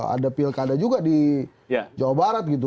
ada pilkada juga di jawa barat gitu